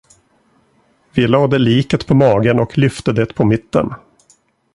Vi lade liket på magen och lyfte det på mitten.